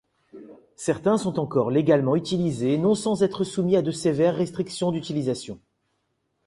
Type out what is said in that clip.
Certains sont encore légalement utilisés non sans être soumis à de sévères restrictions d’utilisations.